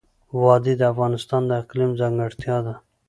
وادي د افغانستان د اقلیم ځانګړتیا ده.